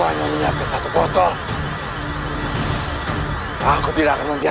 jangan lupa like share dan subscribe ya